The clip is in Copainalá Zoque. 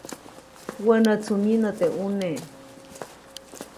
Wänätsu myinä teʼ ʼune.